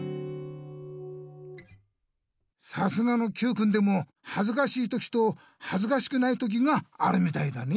さすがのＱくんでもはずかしい時とはずかしくない時があるみたいだね。